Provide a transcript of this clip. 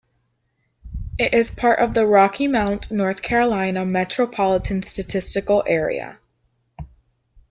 It is part of the Rocky Mount, North Carolina Metropolitan Statistical Area.